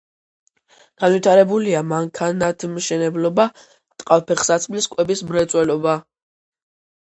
განვითარებულია მანქანათმშენებლობა, ტყავ-ფეხსაცმლის, კვების მრეწველობა.